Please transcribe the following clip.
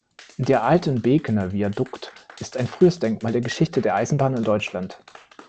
Der Altenbekener Viadukt ist ein frühes Denkmal der Geschichte der Eisenbahn in Deutschland.